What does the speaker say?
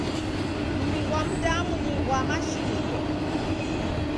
Muw'I ghwa mdamu ni ghwa mashiniko.